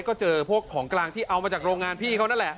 ก็เจอพวกของกลางที่เอามาจากโรงงานพี่เขานั่นแหละ